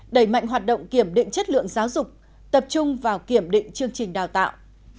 đẩy mạnh hoạt động kiểm định chất lượng giáo dục tập trung vào kiểm định chương trình đào tạo